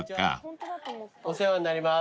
お世話になります。